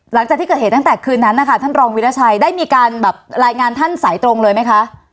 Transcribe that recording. หลังจากเกิดเหตุตั้งแต่คืนนั้นรองวิทยาชัยได้มีการบับวิบัติรายงานของท่านไสตรงเลยไหมคะ